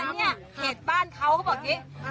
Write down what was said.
เขตบ้านเขาเขาบอกอย่างนี้